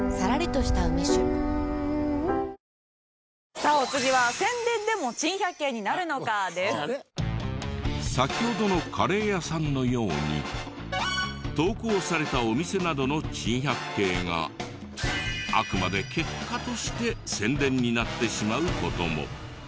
しあわせをシェアしよう三菱電機さあお次は先ほどのカレー屋さんのように投稿されたお店などの珍百景があくまで結果として宣伝になってしまう事も。